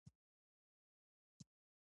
زغال د افغانانو د معیشت سرچینه ده.